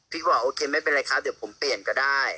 บอกโอเคไม่เป็นไรครับเดี๋ยวผมเปลี่ยนก็ได้